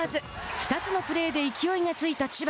２つのプレーで勢いがついた千葉。